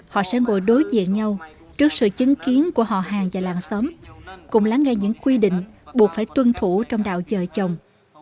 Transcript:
họ sẽ ngồi đối diện nhau trước sự chứng kiến của họ hàng và làng xóm cùng lắng nghe những quy định buộc phải tuân thủ trong đạo dời chồng